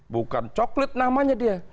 bukan coklat namanya dia